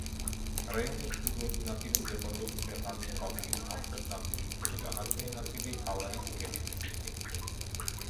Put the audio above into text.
რაიონის ჩრდილოეთი ნაწილი მდებარეობს ფერღანის ქვაბულის სამხრეთ ნაწილში, ხოლო დანარჩენი ნაწილი ალაის ქედის მთისწინეთში.